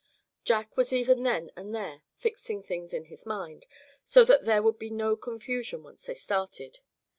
Jack was even then and there fixing things in his mind, so that there would be no confusion once they started.